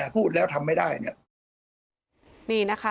พูดแล้วทำไม่ได้